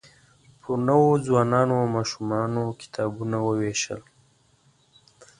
پر نوو ځوانانو او ماشومانو کتابونه ووېشل.